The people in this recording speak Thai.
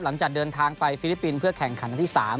หลังจากเดินทางไปฟิลิปปินส์เพื่อแข่งขันอันที่๓